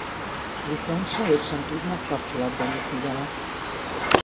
Viszont sehogy sem tudnak kapcsolatba lépni vele.